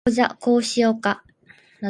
ほーじゃ、こうしようか？